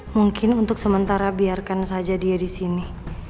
mungkin untuk sementara biarkan saja dia disini